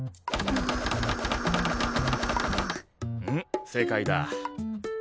うむ正解だ。